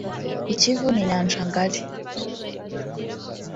I Kivu ni inyanja ngari